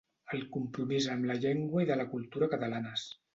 El compromís amb la llengua i de la cultura catalanes.